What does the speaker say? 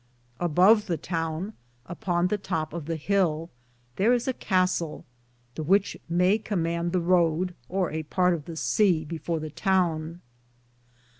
Above the towne, upon the top of the hill, thar is a castell, the which may comande the Roode, or a parte of the seae before the towne.